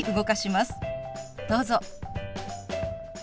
どうぞ。